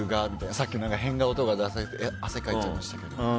さっきも変顔出されて汗かいちゃいましたけど。